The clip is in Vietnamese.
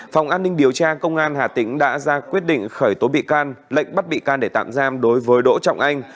phòng an ninh điều tra công an hà tĩnh đã ra quyết định khởi tố bị can lệnh bắt bị can để tạm giam đối với đỗ trọng anh